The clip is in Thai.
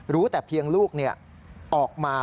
รู้แต่เพียงลูกออกมา